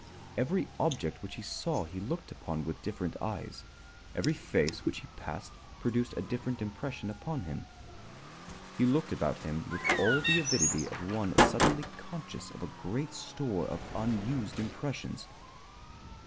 Every object which he saw he looked upon with different eyes. Every face which he passed produced a different impression upon him. He looked about him with all the avidity of one suddenly conscious of a great store of unused impressions.